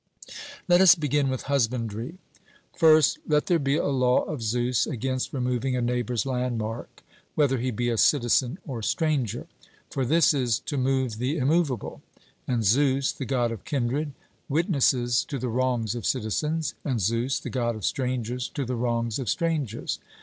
Let us begin with husbandry: First, let there be a law of Zeus against removing a neighbour's landmark, whether he be a citizen or stranger. For this is 'to move the immoveable'; and Zeus, the God of kindred, witnesses to the wrongs of citizens, and Zeus, the God of strangers, to the wrongs of strangers.